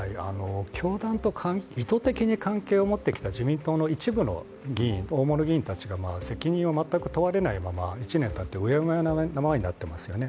教団と意図的に関係を持ってきた自民党の一部の大物議員たちが責任を全く問われないまま１年たって、うやむやなままになっていますよね。